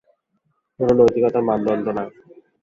কোন নৈতিকতার মানদণ্ড না।